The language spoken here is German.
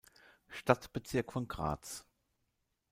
Stadtbezirk von Graz.